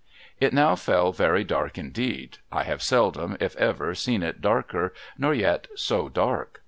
It now fell very dark, indeed. I have seldom, if ever, seen it darker, nor yet so dark.